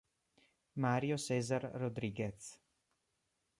Mario César Rodríguez